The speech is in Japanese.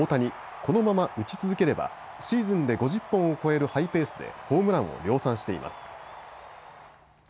このまま打ち続ければシーズンで５０本を超えるハイペースでホームランを量産しています。